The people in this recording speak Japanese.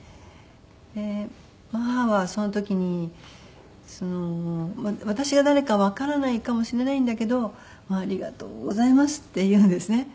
で母はその時に私が誰かわからないかもしれないんだけど「ありがとうございます」って言うんですね。